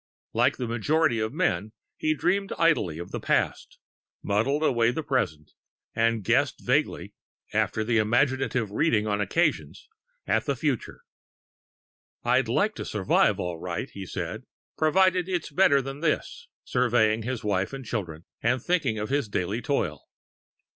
Like the majority of men, he dreamed idly of the past, muddled away the present, and guessed vaguely after imaginative reading on occasions at the future. "I'd like to survive all right," he said, "provided it's better than this," surveying his wife and children, and thinking of his daily toil.